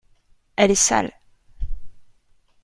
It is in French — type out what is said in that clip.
Elle est sale.